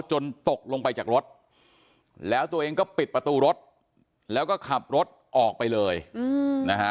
ตกลงไปจากรถแล้วตัวเองก็ปิดประตูรถแล้วก็ขับรถออกไปเลยนะฮะ